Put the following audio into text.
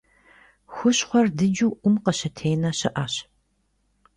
Хущхъуэр дыджу Ӏум къыщытенэ щыӏэщ.